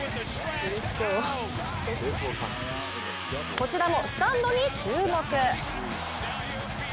こちらもスタンドに注目。